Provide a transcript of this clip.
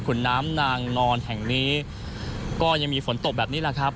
คุณน้ำนางนอนแห่งนี้ก็ยังมีฝนตกแบบนี้แหละครับ